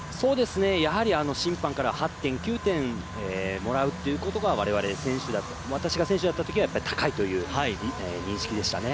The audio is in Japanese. やはり審判から８点、９点もらうことが私が選手だったときは高いという認識でしたね。